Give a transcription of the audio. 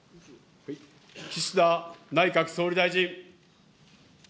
岸田内閣総理大臣。